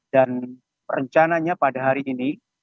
dan perencanaannya pada hari ini